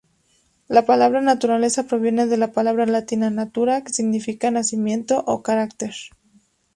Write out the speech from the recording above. La palabra "naturaleza" proviene de la palabra latina "natura", que significa nacimiento o carácter.